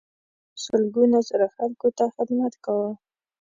دوی سلګونه زره خلکو ته حکومت کاوه.